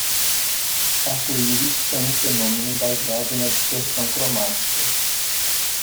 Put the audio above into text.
Arco-íris são um fenômeno baseado na dispersão cromática.